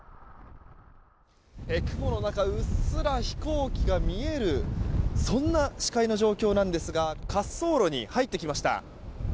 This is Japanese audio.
雲の中うっすら飛行機が見えるそんな視界の状況なんですが滑走路に入ってきました。